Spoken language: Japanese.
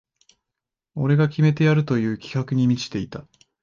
俺が決めてやるという気迫に満ちていた